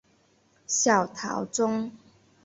小桃纻